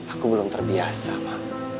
aku belum terbiasa ma